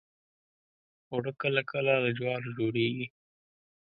اوړه کله کله له جوارو جوړیږي